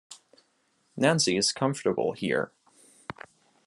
Nancy is comfortable here.